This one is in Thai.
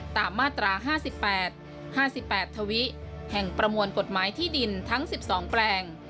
ตามมาตรา๕๘๕๘ทวิแห่งประมวลกฎหมายที่ดินทั้ง๑๒แปลง